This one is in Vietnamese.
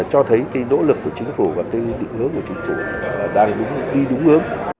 cho thấy cái nỗ lực của chính phủ và cái đúng ước của chính phủ đang đi đúng ước